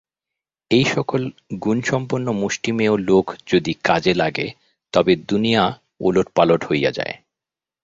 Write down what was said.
এই সকল গুণসম্পন্ন মুষ্টিমেয় লোক যদি কাজে লাগে, তবে দুনিয়া ওলটপালট হইয়া যায়।